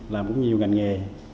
làm cũng nhiều ngành nghề